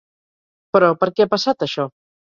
Però per què ha passat això?